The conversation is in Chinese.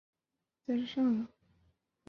卡特也在这个时期内被交换到新泽西篮网。